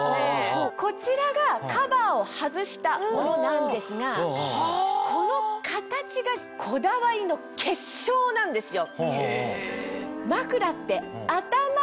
こちらがカバーを外したものなんですがこの形がこだわりの結晶なんですよ。